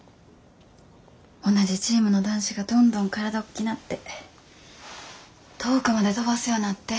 同じチームの男子がどんどん体おっきなって遠くまで飛ばすようなって。